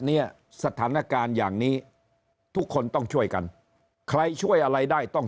เนี่ยสถานการณ์อย่างนี้ทุกคนต้องช่วยกันใครช่วยอะไรได้ต้อง